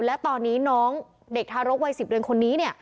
และตอนนี้น้องเด็กทารกวัย๑๐เดือนคนนี้เนี่ย